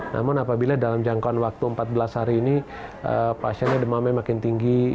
namun apabila dalam jangkauan waktu empat belas hari ini pasiennya demamnya makin tinggi